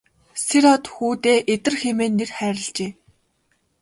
Сэр-Од хүүдээ Идэр хэмээн нэр хайрлажээ.